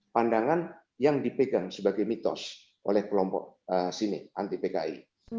pandangan yang dipegang sebagai mitos oleh kelompok sini anti pki